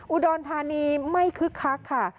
อุดรธานีไม่คึกคักค่ะ